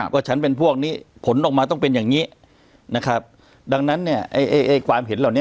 ว่าฉันเป็นพวกนี้ผลออกมาต้องเป็นอย่างนี้นะครับดังนั้นเนี่ยไอ้ความเห็นเหล่านี้